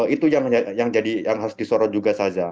itu yang harus disorot juga saja